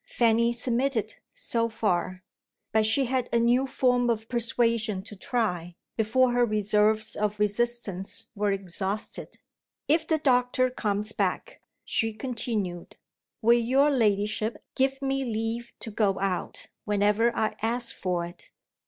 Fanny submitted, so far. But she had a new form of persuasion to try, before her reserves of resistance were exhausted. "If the doctor comes back," she continued, "will your ladyship give me leave to go out, whenever I ask for it?"